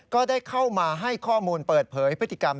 ก็ได้เข้ามาให้ข้อมูลเปิดเผยพฤติกรรม